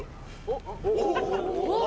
おっ。